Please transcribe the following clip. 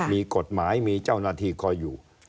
มีกฎหมายมีเจ้าหน้าที่คอยอยู่